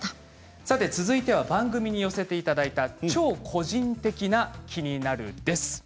続いては番組に寄せていただいた超個人的な気になるです。